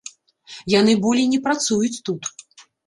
Яны болей не працуюць тут.